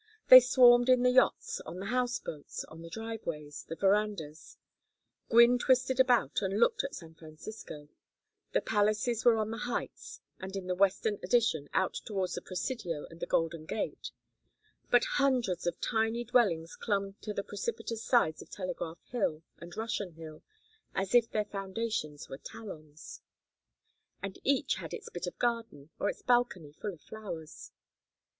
They swarmed in the yachts, on the house boats, on the driveways, the verandas. Gwynne twisted about and looked at San Francisco. The palaces were on the heights and in the Western Addition out towards the Presidio and the Golden Gate; but hundreds of tiny dwellings clung to the precipitous sides of Telegraph Hill and Russian Hill as if their foundations were talons. And each had its bit of garden, or its balcony full of flowers.